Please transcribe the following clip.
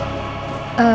ya allah ya allah